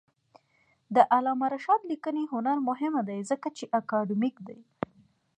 د علامه رشاد لیکنی هنر مهم دی ځکه چې اکاډمیک دی.